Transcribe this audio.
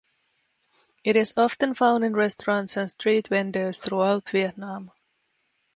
It is often found in restaurants and street vendors throughout Vietnam.